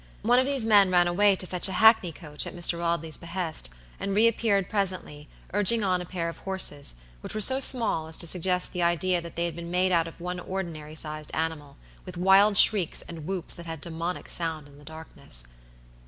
One of these men ran away to fetch a hackney coach at Mr. Audley's behest, and reappeared presently, urging on a pair of horseswhich were so small as to suggest the idea that they had been made out of one ordinary sized animalwith wild shrieks and whoops that had a demoniac sound in the darkness.